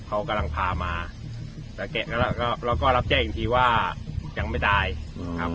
เขากำลังพามาแล้วก็รับแจ้งอีกทีว่ายังไม่ตายครับ